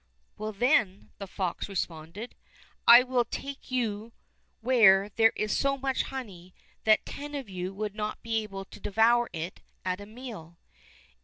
"Well, then," the fox responded, "I will take you where there is so much honey that ten of you would not be able to devour it at a meal.